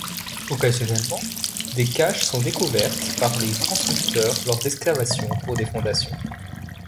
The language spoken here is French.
Occasionnellement, des caches sont découvertes par les constructeurs lors d'excavation pour des fondations.